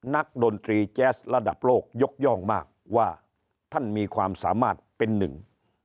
ดนตรีแจ๊สระดับโลกยกย่องมากว่าท่านมีความสามารถเป็นหนึ่ง